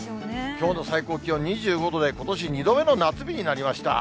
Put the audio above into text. きょうの最高気温２５度で、ことし２度目の夏日になりました。